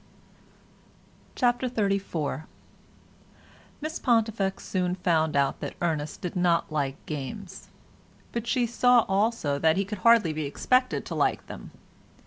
CHAPTER XXXIV Miss Pontifex soon found out that Ernest did not like games, but she saw also that he could hardly be expected to like them.